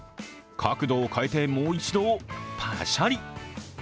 角度を変えてもう一度パシャリ。